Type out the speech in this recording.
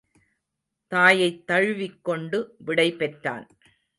தாயைத் தழுவிக் கொண்டு விடை பெற்றாள்.